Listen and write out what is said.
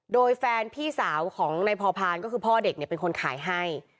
โดยแฟนพี่สาวของนายพอพานก็คือพ่อเด็กเป็นคนขายให้